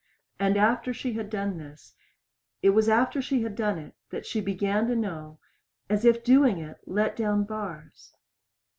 And after she had done this it was after she had done it that she began to know, as if doing it let down bars.